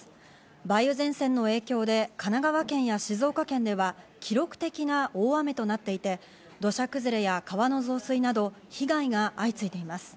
梅雨前線の影響で神奈川県や静岡県では記録的な大雨となっていて、土砂崩れや川の増水など被害が相次いでいます。